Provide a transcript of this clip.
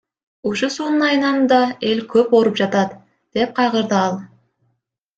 Ушу суунун айынан да эл көп ооруп жатат, — деп кайгырды ал.